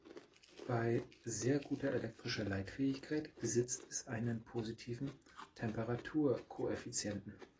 Bei sehr guter elektrischer Leitfähigkeit besitzt es einen positiven Temperaturkoeffizienten.